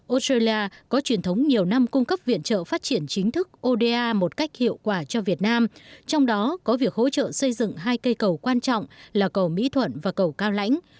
australia có truyền thống nhiều năm cung cấp viện trợ phát triển chính thức oda một cách hiệu quả cho việt nam trong đó có việc hỗ trợ xây dựng hai cây cầu quan trọng là cầu mỹ thuận và cầu cao lãnh